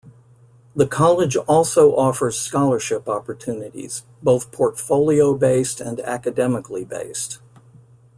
The college also offers scholarship opportunities, both portfolio-based and academically-based.